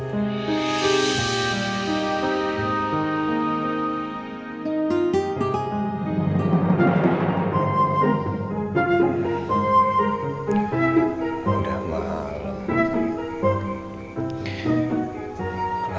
jangan sampai setiap hari terledi